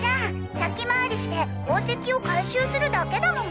先回りして宝石を回収するだけだもん！